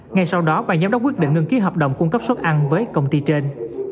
ngay sau đó bà giám đốc quyết định ngưng ký hợp đồng cung cấp suất ăn với công ty trên